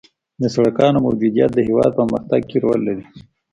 د سرکونو موجودیت د هېواد په پرمختګ کې رول لري